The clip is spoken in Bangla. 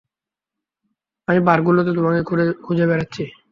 আমি বারগুলোতে তোমাকে খুঁজে বেড়াচ্ছি।